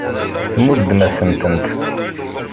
Tmuddem-asent-tent.